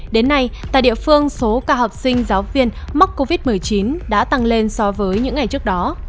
đến nay tại địa phương số ca học sinh giáo viên mắc covid một mươi chín đã tăng lên so với những ngày trước đó